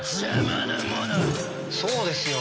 そうですよ。